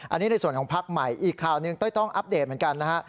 อันนี้ในส่วนของพักใหม่อีกข่าวหนึ่งเต้ยต้องอัปเดตเหมือนกันนะฮะ